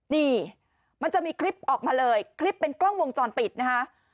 นี่มันจะมีคลิปออกมาเลยคลิปเป็นกล้องวงจรปิดนะคะ